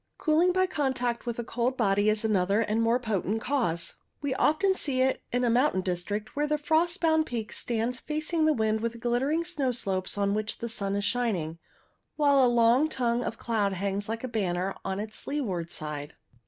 Cooling by contact with a cold body is another and more potent cause. We often see it in a mountain district, where a frost bound peak stands facing the wind with glittering snow slopes on which the sun is shining, while a long tongue of cloud hangs like a banner on its leeward side.